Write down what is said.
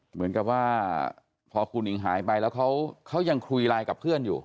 เหมือนกับว่าพอครูหิงหายไปแล้วเขายังคุยไลน์กับเพื่อนอยู่